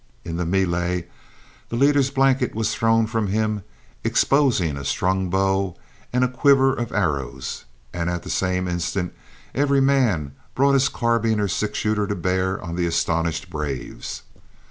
In the mêlée, the leader's blanket was thrown from him, exposing a strung bow and quiver of arrows, and at the same instant every man brought his carbine or six shooter to bear on the astonished braves.